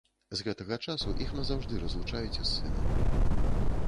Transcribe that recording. З гэтага часу іх назаўжды разлучаюць з сынам.